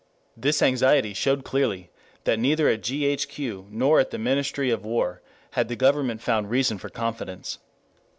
This anxiety showed clearly that neither at G. H. Q. nor at the Ministry of War had the Government found reason for confidence.